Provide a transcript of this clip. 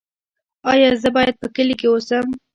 ایا زه باید په کلي کې اوسم؟